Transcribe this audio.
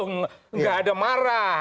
nggak ada marah